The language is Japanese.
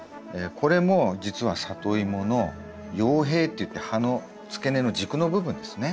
これも実はサトイモの葉柄っていって葉の付け根の軸の部分ですね。